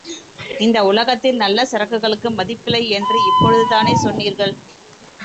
இந்த உலகத்தில் நல்ல சரக்குகளுக்கு மதிப்பில்லை என்று இப் பொழுதுதானே சொன்னீர்கள்.